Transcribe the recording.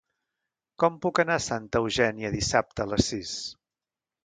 Com puc anar a Santa Eugènia dissabte a les sis?